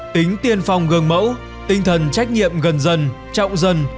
tính tiên phong gương mẫu tinh thần trách nhiệm gần dân trọng dân